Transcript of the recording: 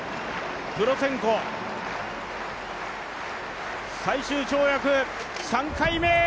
プロツェンコ、最終跳躍３回目。